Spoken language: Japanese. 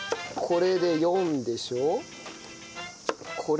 これで８でしょ？